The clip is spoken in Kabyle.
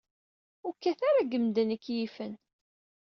Ur kkat ara deg medden k-yifen.